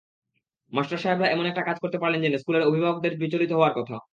Master সাহেবরা এমন একটা কাজ করতে পারলেন জেনে স্কুলের অভিভাবকদের বিচলিত হওয়ার কথা।